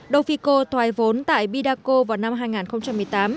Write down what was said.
dofico thoái vốn tại bidaco vào năm hai nghìn một mươi tám